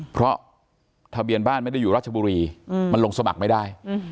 เพราะทะเบียนบ้านไม่ได้อยู่ราชบุรีมันลงสมัครไม่ได้